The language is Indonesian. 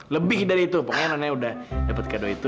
lebih dari itu pokoknya none udah dapet kado itu